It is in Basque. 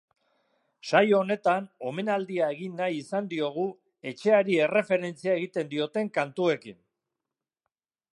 Saio honetan, omenaldia egin nahi izan diogu etxeari erreferentzia egiten dioten kantuekin.